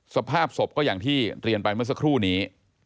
สภาพศพก็อย่างที่เรียนไปเมื่อสักครู่นี้